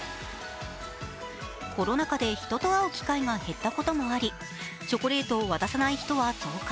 コロナ禍で人と会う機会が減ったこともあり、チョコレートを渡さない人は増加。